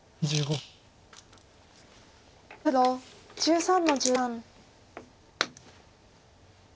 黒１３の十三。